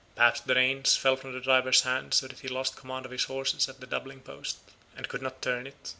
Perhaps the reins fell from the driver's hand so that he lost command of his horses at the doubling post, and could not turn it.